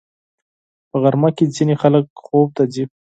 په غرمه کې ځینې خلک خوب ته ځي